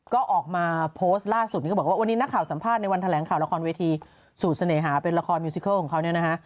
ก็ออกมาโพสต์ล่าสุดนี้เขาบอกว่าวันนี้นักข่าวสัมภาษณ์ในวันแถลงข่าวละครเวทีสูตรเสน่หาเป็นละครมิวซิเคิลของเขาเนี่ยนะฮะ